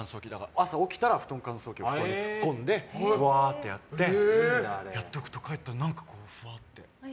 朝起きたら、布団乾燥機を布団に突っ込んで、ほわーってやっておくと、帰って、あって。